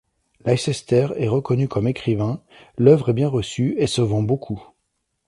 Leicester est reconnu comme écrivain, l'œuvre est bien reçue et se vend beaucoup.